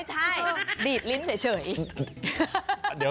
แต่ไงลิ้นเฉย